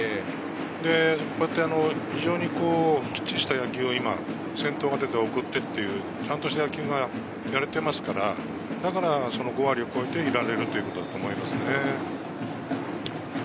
きっちりした野球を、先頭が出て送ってという、ちゃんとした野球がやれていますから、だから５割を超えていられるのだと思います。